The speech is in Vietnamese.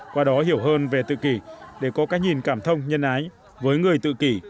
qua đó hiểu hơn về tự kỳ để có cách nhìn cảm thông nhân ái với người tự kỳ